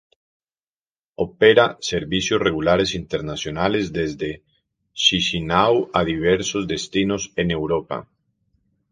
Opera servicios regulares internacionales desde Chisinau a diversos destinos en Europa.